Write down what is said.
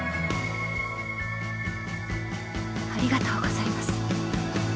ありがとうございます。